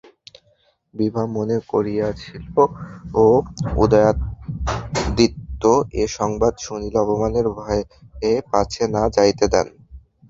বিভা মনে করিয়াছিল, উদয়াদিত্য এ সংবাদ শুনিলে অপমানের ভয়ে পাছে না যাইতে দেন।